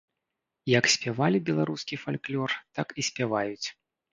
Як спявалі беларускі фальклор, так і спяваюць.